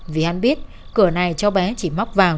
vì hắn biết cửa này cháu bé chỉ móc vào